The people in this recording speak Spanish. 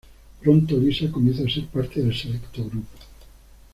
Pronto, Lisa comienza a ser parte del selecto grupo.